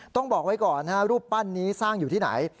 ต้องบอกไว้ก่อนรูปปั้นนี้สร้างอยู่ที่ไหน